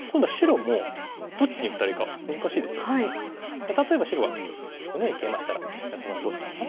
じゃあ例えば白がこのようにケイマしたら安田さんどうしますか？